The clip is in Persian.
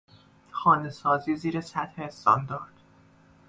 خانه سازی زیر سطح استاندارد